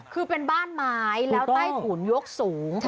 คือเป็นบ้านไม้แล้วใต้ถุนยกสูง